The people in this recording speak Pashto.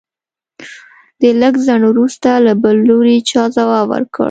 د لږ ځنډ وروسته له بل لوري چا ځواب ورکړ.